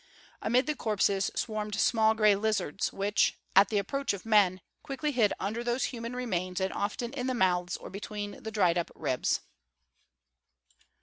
Amid the corpses swarmed small gray lizards, which, at the approach of men, quickly hid under those human remains and often in the mouths or between the dried up ribs.